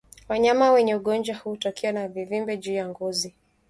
Wanyama wenye ugonjwa huu hutokewa na vivimbe juu ya ngozi